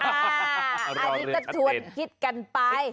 อันนี้ก็ชวนคิดกันไป